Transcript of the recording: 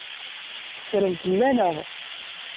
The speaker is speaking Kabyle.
Teffrem fell-aneɣ.